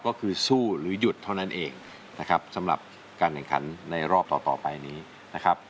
ก็คือสู้หรือหยุดเท่านั้นเองนะครับสำหรับการแข่งขันในรอบต่อต่อไปนี้นะครับ